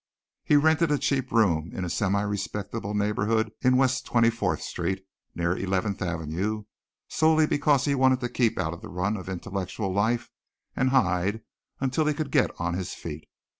He rented a cheap room in a semi respectable neighborhood in West Twenty fourth Street near Eleventh Avenue solely because he wanted to keep out of the run of intellectual life and hide until he could get on his feet.